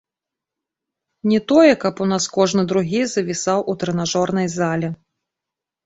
Не тое, каб у нас кожны другі завісаў у трэнажорнай зале.